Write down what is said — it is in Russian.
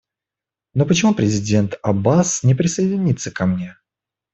Но почему президент Аббас не присоединяется ко мне?